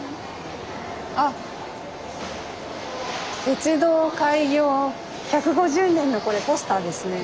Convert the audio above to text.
「鉄道開業１５０年」のこれポスターですね。